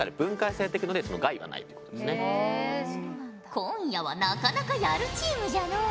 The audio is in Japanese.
ちなみに今夜はなかなかやるチームじゃのう。